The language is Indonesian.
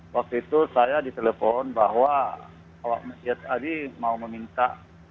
waktu itu saya diselepon bahwa awak media tadi mau meminta